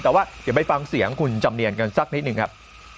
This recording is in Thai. แต่ว่าเดี๋ยวไปฟังเสียงคุณจำเนียนกันสักนิดหนึ่งครับ